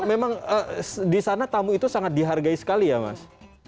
memang di sana tamu itu sangat dihargai sekali ya mas